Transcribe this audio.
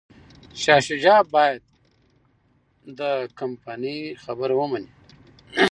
شاه شجاع باید د کمپانۍ خبره ومني.